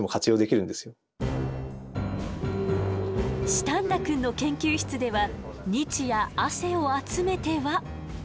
四反田くんの研究室では日夜汗を集めては。